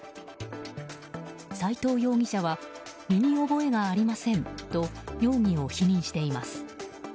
斎藤容疑者は身に覚えがありませんと容疑を否認しています。